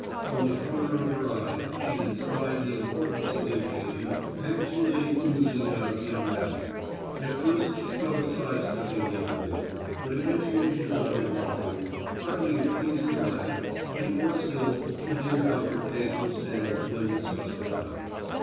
From the corner of her eye, she had spied the importance of the occasion actually oozing out of young Al. At first she thought of side stepping the interview, but eventually decided not to, partly to please the lad and more still to hear how her case would stand when discussed aloud.